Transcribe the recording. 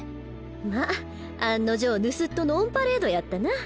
まぁ案の定盗っ人のオンパレードやったな。